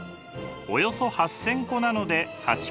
およそ８，０００個なので８Ｋ。